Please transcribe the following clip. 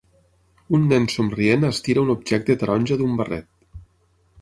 Un nen somrient estira un objecte taronja d'un barret